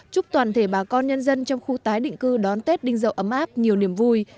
chúc toàn thể bà con nhân dân trong khu tái định cư đón tết đinh dậu ấm áp nhiều niềm vui